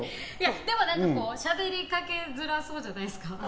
でも、しゃべりかけづらそうじゃないですか。